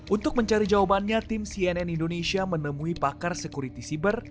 untuk mencari jawabannya tim cnn indonesia menemui pakar security siber